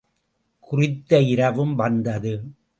குறித்த இரவும் வந்தது.